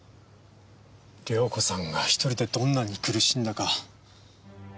涼子さんが１人でどんなに苦しんだか。